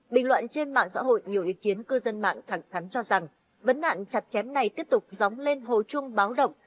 bình luận trên mạng xã hội nhiều ý kiến cư dân mạng thẳng thắn cho rằng vấn nạn chặt chém này tiếp tục dóng lên hồ chung báo động